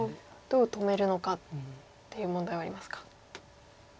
どう止めるのかっていう問題はありますか。